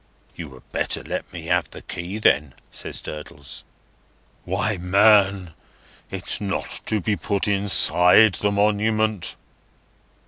"You had better let me have the key then," says Durdles. "Why, man, it is not to be put inside the monument!"